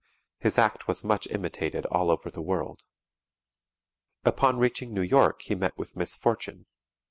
His act was much imitated all over the world. Upon reaching New York he met with misfortune.